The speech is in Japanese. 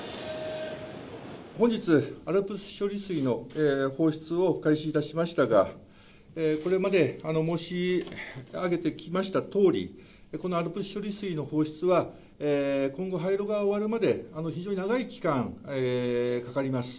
本日、アルプス処理水の放出を開始いたしましたが、これまで申し上げてきましたとおり、このアルプス処理水の放出は、今後、廃炉が終わるまで、非常に長い期間かかります。